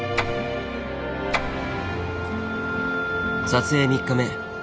撮影３日目。